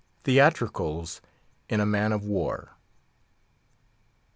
THEATRICALS IN A MAN OF WAR.